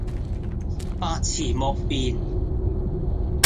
百辭莫辯